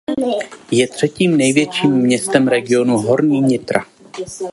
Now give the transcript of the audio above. Je třetím největším městem regionu Horní Nitra.